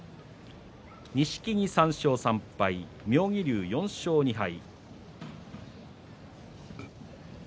錦木、３勝３敗、妙義龍４勝２敗。